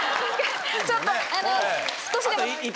ちょっと少しでも。